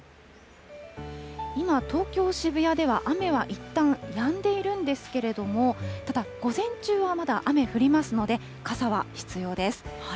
今、東京・渋谷では雨はいったんやんでいるんですけれども、ただ、午前中はまだ雨降りますので、傘は必要です。